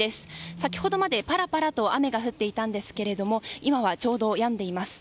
先ほどまでパラパラと雨が降っていたんですが今はちょうどやんでいます。